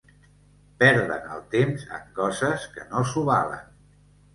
Perden el temps en coses que no s'ho valen.